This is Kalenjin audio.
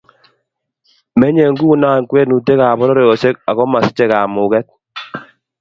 Menyei nguno kwenutab pororyosyek ak ma sichei kamung'et.